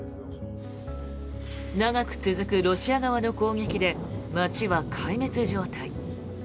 長く続くロシア側の攻撃で街は壊滅状態。